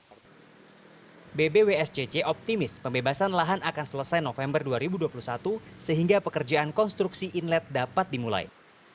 pbwscc optimis pembebasan lahan akan selesai november dua ribu dua puluh satu sehingga pekerjaan konstruksi inlet dapat dimulai